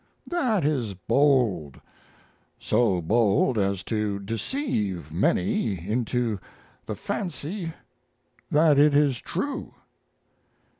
That is bold; so bold as to deceive many into the fancy that it is true.